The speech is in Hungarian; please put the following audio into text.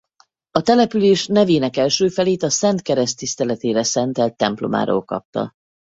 A település nevének első felét a Szent Kereszt tiszteletére szentelt templomáról kapta.